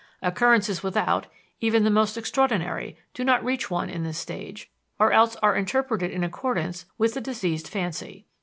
Occurrences without, even the most extraordinary, do not reach one in this stage, or else are interpreted in accordance with the diseased fancy.